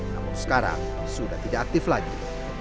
namun sekarang sudah tidak aktif lagi